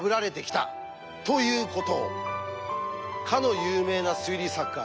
かの有名な推理作家